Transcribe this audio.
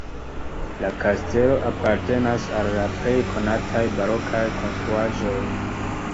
La kastelo apartenas al la plej konataj barokaj konstruaĵoj.